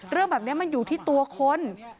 เรื่องแบบนี้มันอยู่ที่ตัวคน